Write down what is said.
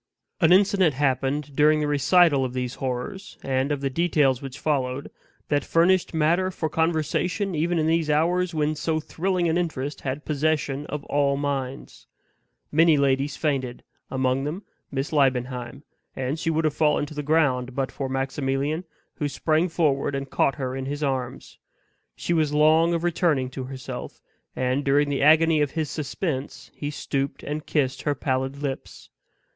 An incident happened during the recital of these horrors, and of the details which followed, that furnished matter for conversation even in these hours when so thrilling an interest had possession of all minds. Many ladies fainted; among them Miss Liebenheim and she would have fallen to the ground but for Maximilian, who sprang forward and caught her in his arms. She was long of returning to herself; and, during the agony of his suspense, he stooped and kissed her pallid lips.